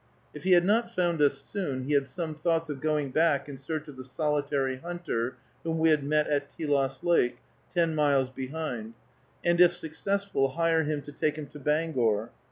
If he had not found us soon, he had some thoughts of going back in search of the solitary hunter whom we had met at Telos Lake, ten miles behind, and, if successful, hire him to take him to Bangor.